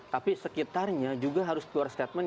tapi sekitarnya juga harus keluar statement